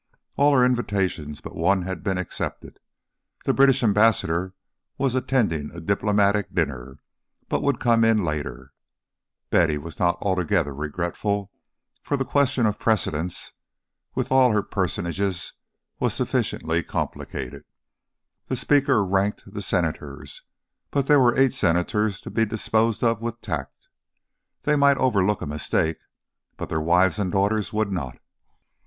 All her invitations but one had been accepted: the British Ambassador was attending a diplomatic dinner, but would come in later. Betty was not altogether regretful, for the question of precedence, with all her personages, was sufficiently complicated. The Speaker ranked the Senators, but there were eight Senators to be disposed of with tact; they might overlook a mistake, but their wives or daughters would not.